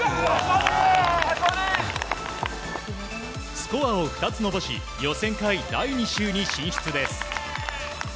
スコアを２つ伸ばし予選会第２週に進出です。